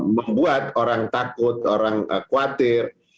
membuat orang takut orang khawatir